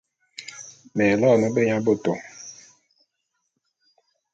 Me loene benyabôtô.